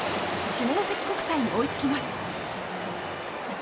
下関国際に追いつきます。